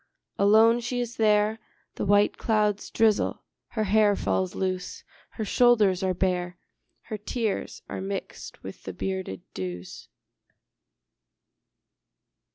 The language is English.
Alone she is there: The white clouds drizzle: her hair falls loose; Her shoulders are bare; Her tears are mixed with the bearded dews.